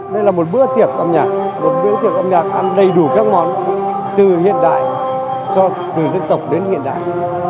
đây là một bữa tiệc âm nhạc một biểu tượng âm nhạc ăn đầy đủ các món từ hiện đại từ dân tộc đến hiện đại